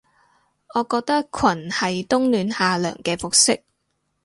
我覺得裙係冬暖夏涼嘅服飾